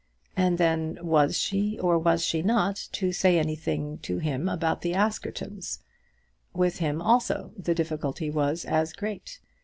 And then was she, or was she not, to say anything to him about the Askertons? With him also the difficulty was as great.